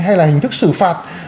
hay là hình thức xử phạt